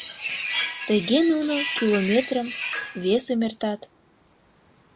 Тыге нуно километрым, весым эртат.